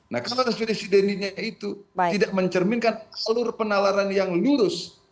nah kalau rasio desideninya itu tidak mencerminkan alur penalaran yang lurus